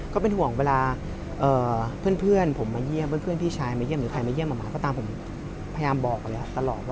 ก็เป็นห่วงเวลาเพื่อนผมแล้วพี่ชายพี่แก่มาเยี่ยมเขาก็ตามผมพยายามบอกเลยทั้งมือ